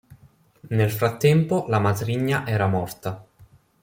Nel frattempo la matrigna era morta.